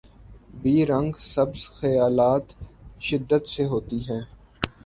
be رنگ سبز خیالات شدت سے سوتی ہیں